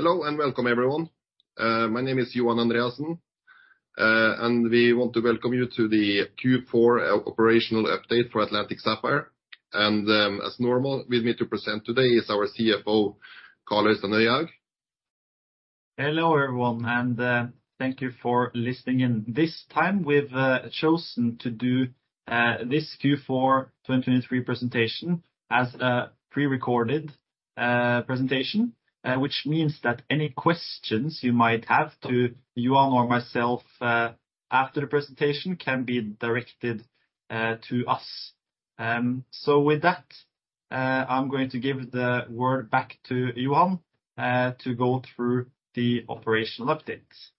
Hello and welcome everyone. My name is Johan Andreassen, and we want to welcome you to the Q4 operational update for Atlantic Sapphire. As normal, with me to present today is our CFO, Karl Øyehaug. Hello everyone, and thank you for listening in. This time we've chosen to do this Q4 2023 presentation as a prerecorded presentation, which means that any questions you might have to Johan or myself after the presentation can be directed to us. So with that, I'm going to give the word back to Johan to go through the operational updates.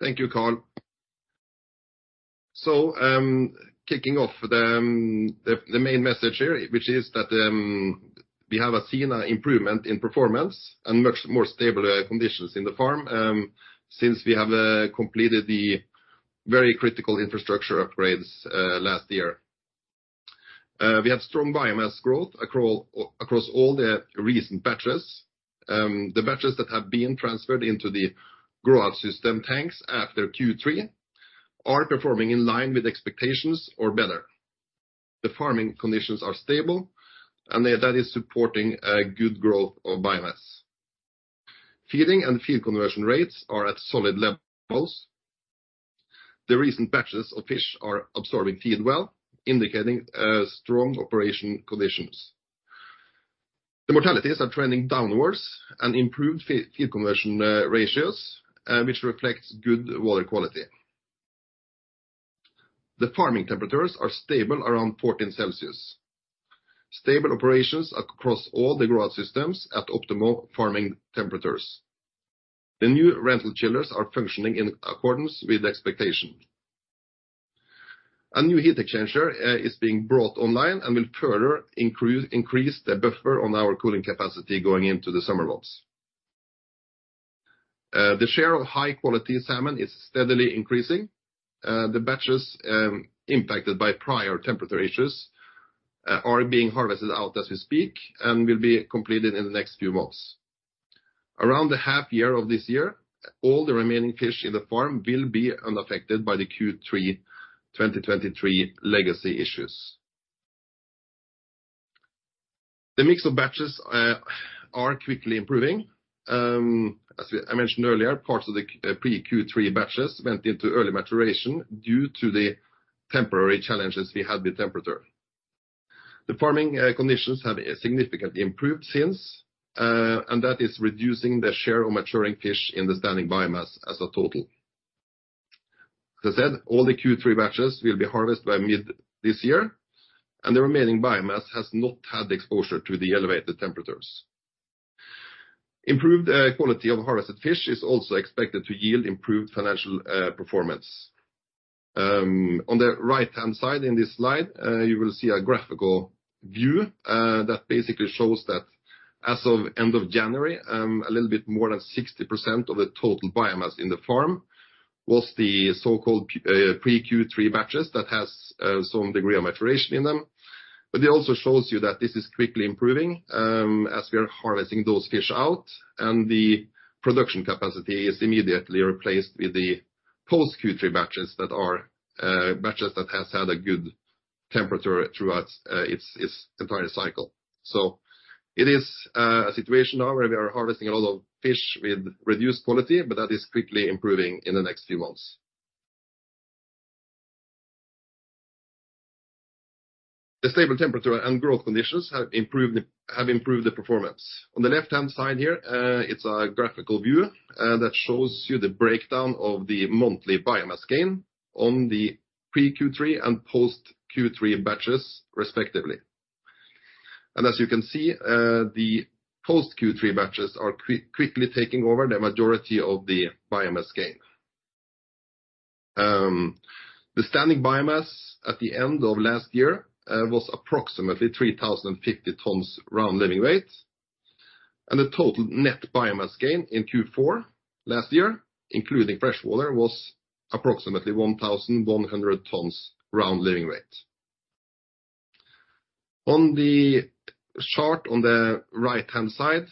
Thank you, Karl. So, kicking off the main message here, which is that we have seen improvement in performance and much more stable conditions in the farm, since we have completed the very critical infrastructure upgrades last year. We have strong biomass growth across all the recent batches. The batches that have been transferred into the grow-out system tanks after Q3 are performing in line with expectations or better. The farming conditions are stable, and that is supporting a good growth of biomass. Feeding and feed conversion rates are at solid levels. The recent batches of fish are absorbing feed well, indicating strong operation conditions. The mortalities are trending downwards and improved feed conversion ratios, which reflects good water quality. The farming temperatures are stable around 14 degrees Celsius. Stable operations across all the grow-out systems at optimal farming temperatures. The new rental chillers are functioning in accordance with expectation. A new heat exchanger is being brought online and will further increase the buffer on our cooling capacity going into the summer months. The share of high-quality salmon is steadily increasing. The batches, impacted by prior temperature issues, are being harvested out as we speak and will be completed in the next few months. Around the half-year of this year, all the remaining fish in the farm will be unaffected by the Q3 2023 legacy issues. The mix of batches are quickly improving. As I mentioned earlier, parts of the pre-Q3 batches went into early maturation due to the temporary challenges we had with temperature. The farming conditions have significantly improved since, and that is reducing the share of maturing fish in the standing biomass as a total. As I said, all the Q3 batches will be harvested by mid this year, and the remaining biomass has not had the exposure to the elevated temperatures. Improved quality of harvested fish is also expected to yield improved financial performance. On the right-hand side in this slide, you will see a graphical view, that basically shows that as of end of January, a little bit more than 60% of the total biomass in the farm was the so-called, pre-Q3 batches that has, some degree of maturation in them. But it also shows you that this is quickly improving, as we are harvesting those fish out and the production capacity is immediately replaced with the post-Q3 batches that are, batches that have had a good temperature throughout, its entire cycle. So it is a situation now where we are harvesting a lot of fish with reduced quality, but that is quickly improving in the next few months. The stable temperature and growth conditions have improved the have improved the performance. On the left-hand side here, it's a graphical view that shows you the breakdown of the monthly biomass gain on the pre-Q3 and post-Q3 batches, respectively. And as you can see, the post-Q3 batches are quickly taking over the majority of the biomass gain. The standing biomass at the end of last year was approximately 3,050 tons round living weight. And the total net biomass gain in Q4 last year, including freshwater, was approximately 1,100 tons round living weight. On the chart on the right-hand side,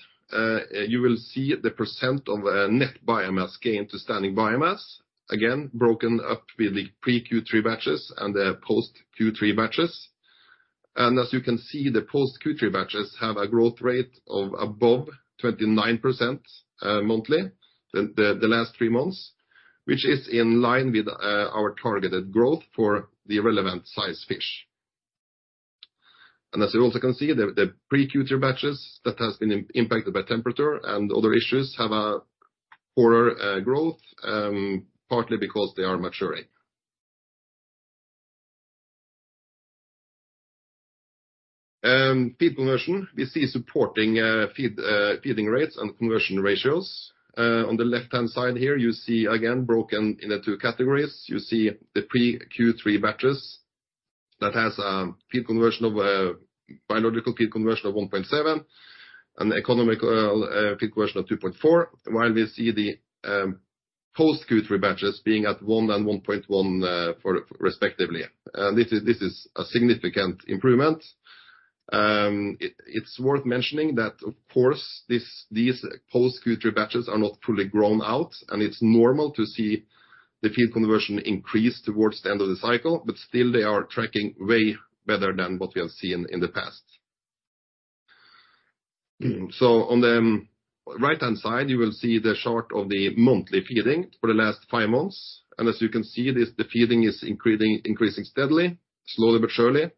you will see the percent of net biomass gain to standing biomass, again broken up with the pre-Q3 batches and the post-Q3 batches. And as you can see, the post-Q3 batches have a growth rate of above 29% monthly the last three months, which is in line with our targeted growth for the relevant size fish. And as you also can see, the pre-Q3 batches that have been impacted by temperature and other issues have a poorer growth, partly because they are maturing. Feed conversion, we see supporting feed rates and conversion ratios. On the left-hand side here, you see again broken into two categories. You see the pre-Q3 batches that has a feed conversion of biological feed conversion of 1.7 and economical feed conversion of 2.4, while we see the post-Q3 batches being at one and 1.1, respectively. And this is a significant improvement. It's worth mentioning that, of course, these post-Q3 batches are not fully grown out, and it's normal to see the feed conversion increase towards the end of the cycle, but still they are tracking way better than what we have seen in the past. On the right-hand side, you will see the chart of the monthly feeding for the last five months. As you can see, the feeding is increasing steadily, slowly but surely.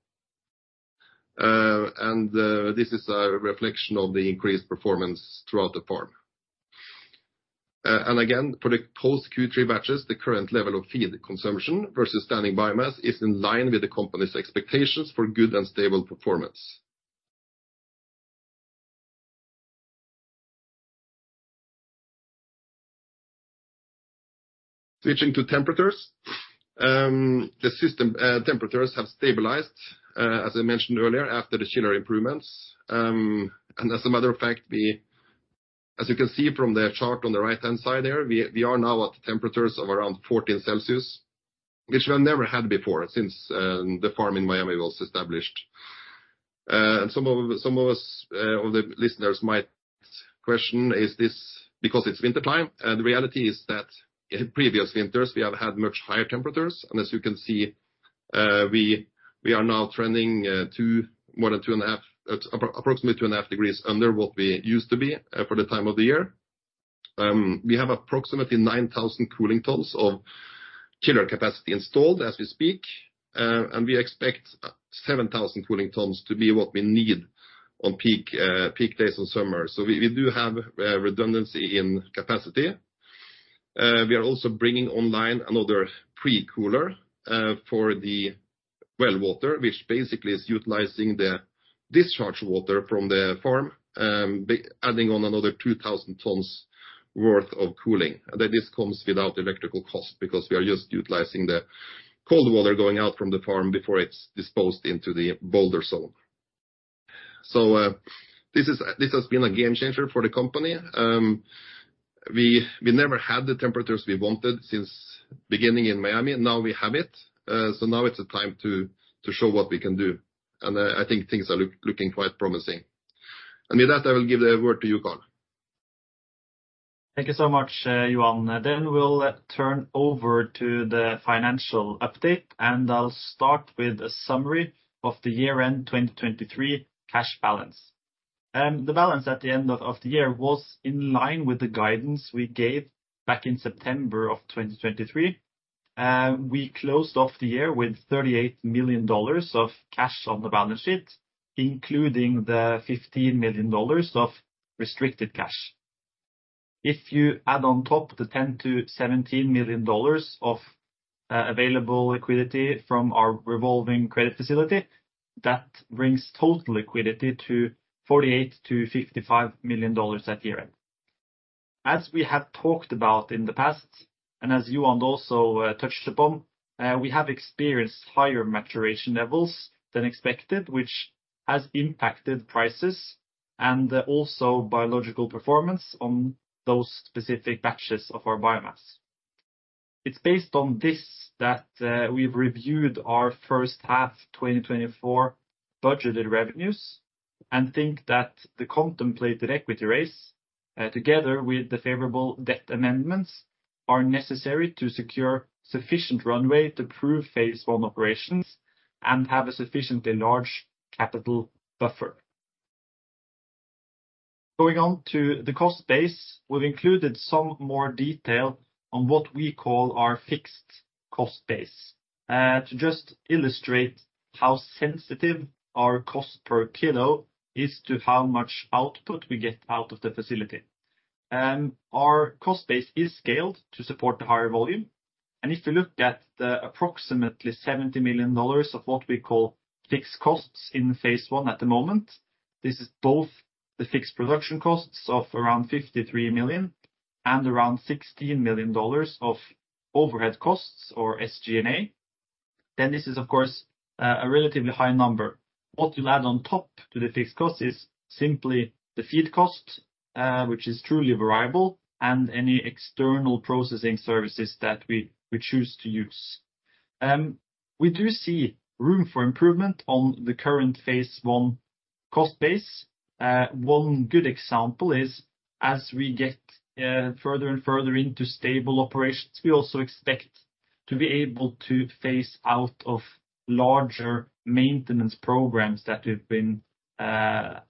This is a reflection of the increased performance throughout the farm. Again, for the post-Q3 batches, the current level of feed conversion versus standing biomass is in line with the company's expectations for good and stable performance. Switching to temperatures, the system temperatures have stabilized, as I mentioned earlier after the chiller improvements. As a matter of fact, we, as you can see from the chart on the right-hand side here, we are now at temperatures of around 14 degrees Celsius, which we have never had before since the farm in Miami was established. Some of us of the listeners might question, is this because it's wintertime? The reality is that in previous winters, we have had much higher temperatures. As you can see, we are now trending to more than two and a half, approximately 2.5 degrees under what we used to be for the time of the year. We have approximately 9,000 cooling tons of chiller capacity installed as we speak. We expect 7,000 cooling tons to be what we need on peak days of summer. So we do have redundancy in capacity. We are also bringing online another pre-cooler for the well water, which basically is utilizing the discharge water from the farm, adding on another 2,000 tons worth of cooling. And this comes without electrical cost because we are just utilizing the cold water going out from the farm before it's disposed into the Boulder Zone. So, this has been a game changer for the company. We never had the temperatures we wanted since beginning in Miami. Now we have it. So now it's the time to show what we can do. And I think things are looking quite promising. And with that, I will give the word to you, Karl. Thank you so much, Johan. Then we'll turn over to the financial update, and I'll start with a summary of the year-end 2023 cash balance. The balance at the end of the year was in line with the guidance we gave back in September of 2023. We closed off the year with $38 million of cash on the balance sheet, including the $15 million of restricted cash. If you add on top the $10-$17 million of available liquidity from our revolving credit facility, that brings total liquidity to $48-$55 million at year-end. As we have talked about in the past, and as Johan also touched upon, we have experienced higher maturation levels than expected, which has impacted prices and also biological performance on those specific batches of our biomass. It's based on this that we've reviewed our first half 2024 budgeted revenues and think that the contemplated equity raise, together with the favorable debt amendments, are necessary to secure sufficient runway to prove phase one operations and have a sufficiently large capital buffer. Going on to the cost base, we've included some more detail on what we call our fixed cost base, to just illustrate how sensitive our cost per kilo is to how much output we get out of the facility. Our cost base is scaled to support the higher volume. And if you look at the approximately $70 million of what we call fixed costs in phase one at the moment, this is both the fixed production costs of around $53 million and around $16 million of overhead costs or SG&A. Then this is, of course, a relatively high number. What you'll add on top to the fixed costs is simply the feed cost, which is truly variable, and any external processing services that we choose to use. We do see room for improvement on the current phase one cost base. One good example is as we get further and further into stable operations, we also expect to be able to phase out of larger maintenance programs that we've been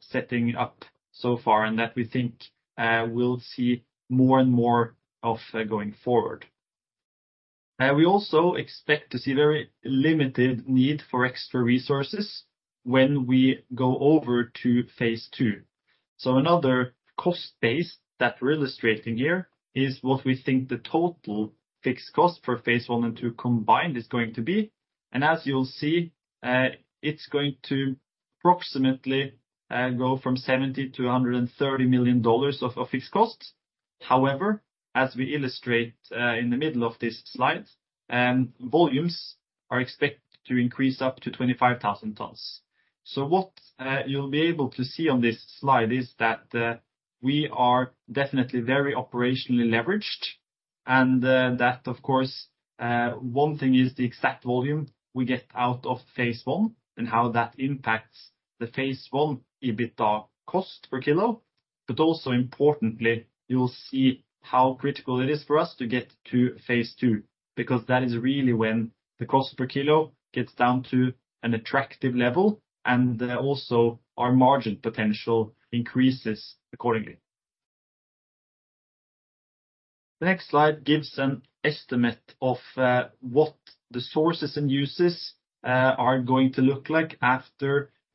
setting up so far and that we think we'll see more and more of going forward. We also expect to see very limited need for extra resources when we go over to phase two. Another cost base that we're illustrating here is what we think the total fixed costs for phase one and two combined is going to be. As you'll see, it's going to approximately go from $70-$130 million of fixed costs. However, as we illustrate, in the middle of this slide, volumes are expected to increase up to 25,000 tons. So what, you'll be able to see on this slide is that, we are definitely very operationally leveraged and, that, of course, one thing is the exact volume we get out of phase one and how that impacts the phase one EBITDA cost per kilo. But also importantly, you'll see how critical it is for us to get to phase two, because that is really when the cost per kilo gets down to an attractive level and also our margin potential increases accordingly. The next slide gives an estimate of, what the sources and uses, are going to look like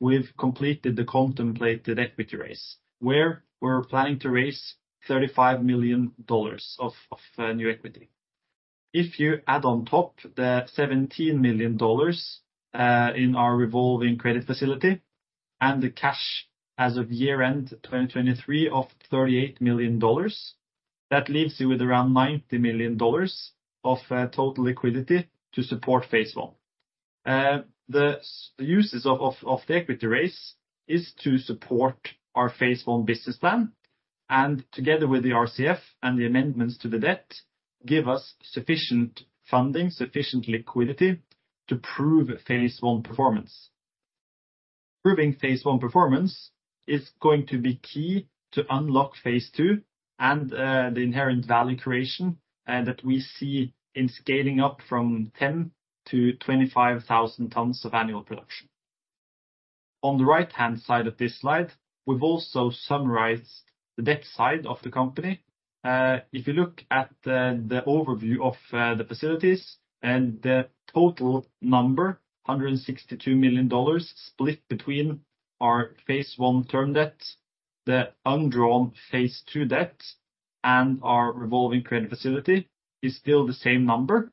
after we've completed the contemplated equity raise, where we're planning to raise $35 million of new equity. If you add on top the $17 million in our revolving credit facility and the cash as of year-end 2023 of $38 million, that leaves you with around $90 million of total liquidity to support phase one. The uses of the equity raise is to support our phase one business plan and together with the RCF and the amendments to the debt, give us sufficient funding, sufficient liquidity to prove phase one performance. Proving phase one performance is going to be key to unlock phase two and the inherent value creation that we see in scaling up from 10 to 25,000 tons of annual production. On the right-hand side of this slide, we've also summarized the debt side of the company. If you look at the overview of the facilities and the total number, $162 million split between our phase one term debt, the undrawn phase two debt, and our revolving credit facility is still the same number.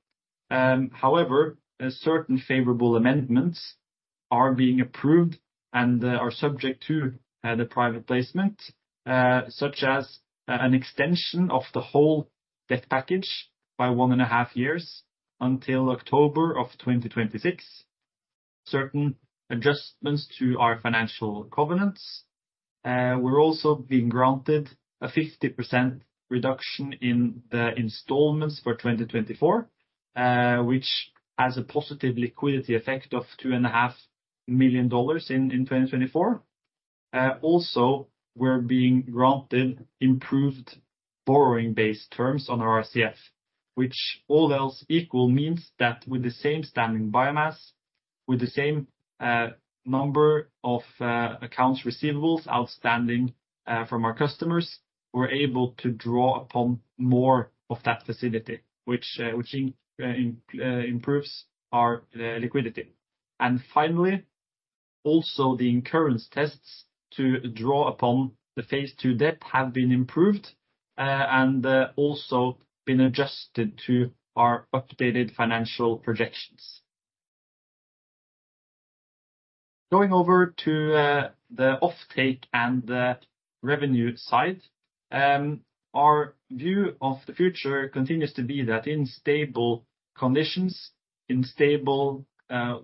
However, certain favorable amendments are being approved and are subject to the private placement, such as an extension of the whole debt package by one and a half years until October of 2026. Certain adjustments to our financial covenants. We're also being granted a 50% reduction in the installments for 2024, which has a positive liquidity effect of $2.5 million in 2024. Also, we're being granted improved borrowing base terms on our RCF, which all else equal means that with the same standing biomass, with the same number of accounts receivables outstanding from our customers, we're able to draw upon more of that facility, which improves our liquidity. And finally, also, the incurrence tests to draw upon the phase two debt have been improved, and, also been adjusted to our updated financial projections. Going over to the offtake and the revenue side, our view of the future continues to be that in stable conditions, in stable,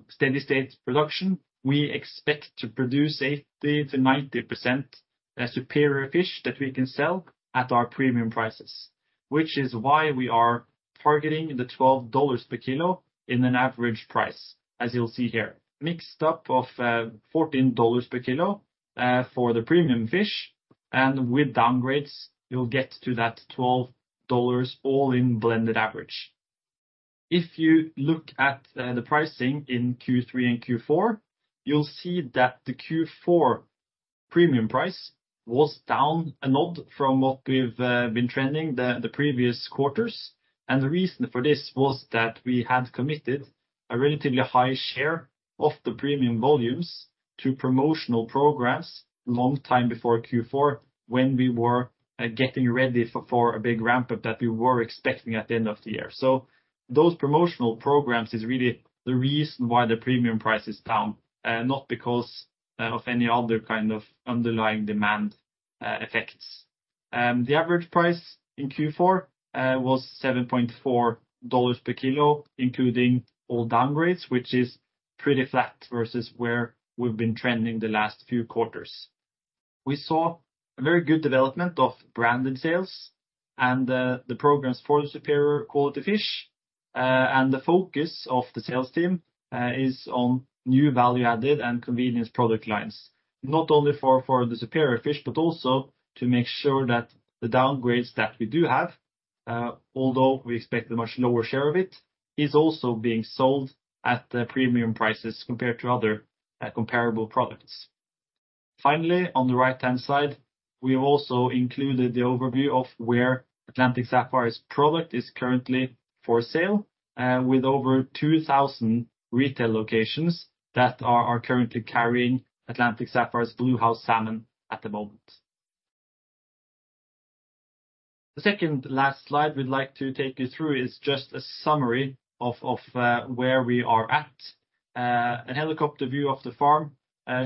steady state production, we expect to produce 80%-90% superior fish that we can sell at our premium prices, which is why we are targeting the $12 per kilo as an average price, as you'll see here, makeup of $14 per kilo for the premium fish. With downgrades, you'll get to that $12 all-in blended average. If you look at the pricing in Q3 and Q4, you'll see that the Q4 premium price was down a notch from what we've been trending the previous quarters. The reason for this was that we had committed a relatively high share of the premium volumes to promotional programs a long time before Q4 when we were getting ready for a big ramp-up that we were expecting at the end of the year. So those promotional programs is really the reason why the premium price is down, not because of any other kind of underlying demand effects. The average price in Q4 was $7.4 per kilo, including all downgrades, which is pretty flat versus where we've been trending the last few quarters. We saw a very good development of branded sales and the programs for the superior quality fish. The focus of the sales team is on new value-added and convenience product lines, not only for the superior fish, but also to make sure that the downgrades that we do have, although we expect a much lower share of it, is also being sold at the premium prices compared to other comparable products. Finally, on the right-hand side, we have also included the overview of where Atlantic Sapphire's product is currently for sale, with over 2,000 retail locations that are currently carrying Atlantic Sapphire's Bluehouse Salmon at the moment. The second last slide we'd like to take you through is just a summary of where we are at. A helicopter view of the farm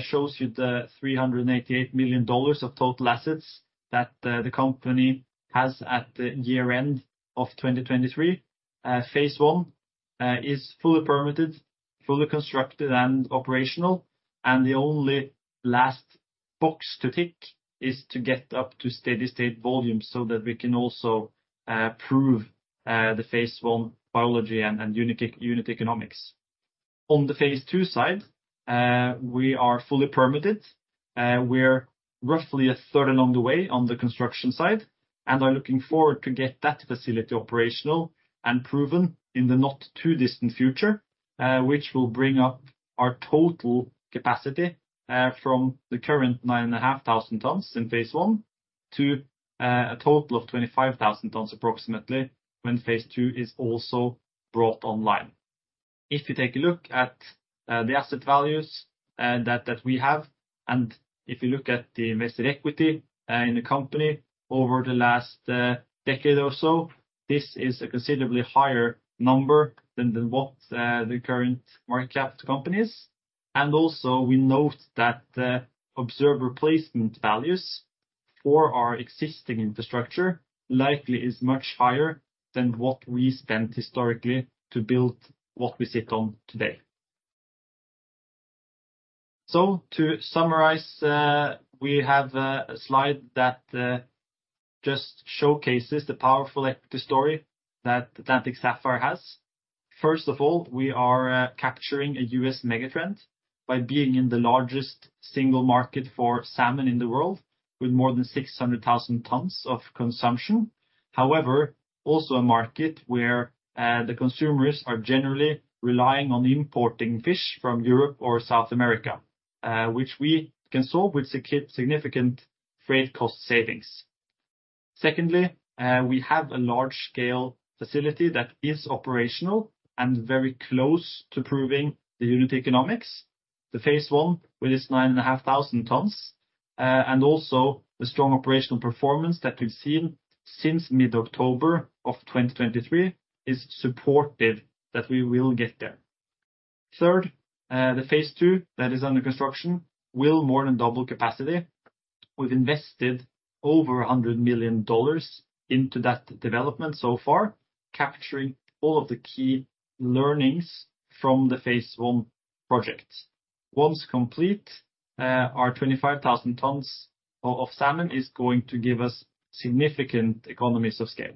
shows you the $388 million of total assets that the company has at the year-end of 2023. Phase one is fully permitted, fully constructed, and operational. The only last box to tick is to get up to steady state volumes so that we can also prove the phase one biology and unit economics. On the phase two side, we are fully permitted. We're roughly a third along the way on the construction side and are looking forward to get that facility operational and proven in the not too distant future, which will bring up our total capacity from the current 9,500 tons in phase one to a total of 25,000 tons approximately when phase two is also brought online. If you take a look at the asset values that we have, and if you look at the invested equity in the company over the last decade or so, this is a considerably higher number than what the current market cap to company is. Also, we note that replacement values for our existing infrastructure likely are much higher than what we spent historically to build what we sit on today. To summarize, we have a slide that just showcases the powerful equity story that Atlantic Sapphire has. First of all, we are capturing a U.S. megatrend by being in the largest single market for salmon in the world, with more than 600,000 tons of consumption. However, also a market where the consumers are generally relying on importing fish from Europe or South America, which we can solve with significant freight cost savings. Secondly, we have a large-scale facility that is operational and very close to proving the unit economics. The phase one with its 9,500 tons and also the strong operational performance that we've seen since mid-October of 2023 is supportive that we will get there. Third, the phase two that is under construction will more than double capacity. We've invested over $100 million into that development so far, capturing all of the key learnings from the phase one project. Once complete, our 25,000 tons of salmon is going to give us significant economies of scale.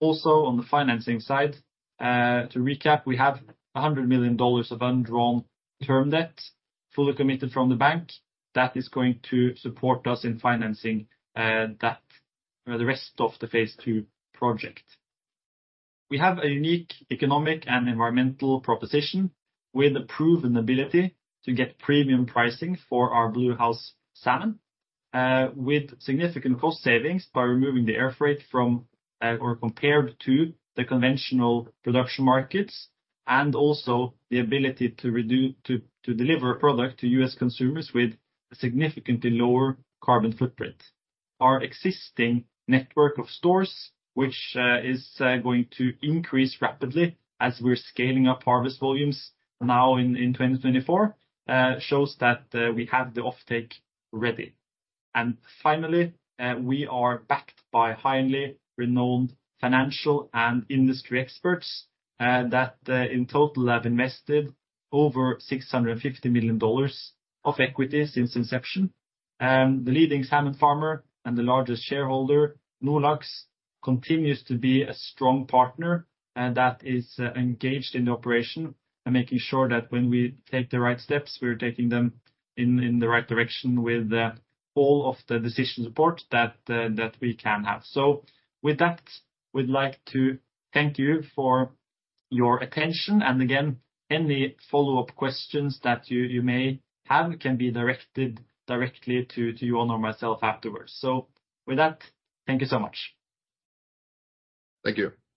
Also, on the financing side, to recap, we have $100 million of undrawn term debt, fully committed from the bank that is going to support us in financing that the rest of the phase two project. We have a unique economic and environmental proposition with a proven ability to get premium pricing for our Bluehouse Salmon, with significant cost savings by removing the air freight from or compared to the conventional production markets, and also the ability to reduce to deliver a product to U.S. consumers with a significantly lower carbon footprint. Our existing network of stores, which is going to increase rapidly as we're scaling up harvest volumes now in 2024, shows that we have the offtake ready. And finally, we are backed by highly renowned financial and industry experts that in total have invested over $650 million of equity since inception. The leading salmon farmer and the largest shareholder, Nordlaks, continues to be a strong partner that is engaged in the operation and making sure that when we take the right steps, we're taking them in the right direction with all of the decision support that we can have. So with that, we'd like to thank you for your attention. And again, any follow-up questions that you may have can be directed directly to Johan or myself afterwards. So with that, thank you so much. Thank you.